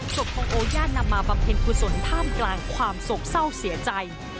ศพของโอญาตินำมาบำเพ็ญกุศลท่ามกลางความโศกเศร้าเสียใจ